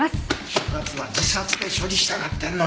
所轄は自殺で処理したがってんのに。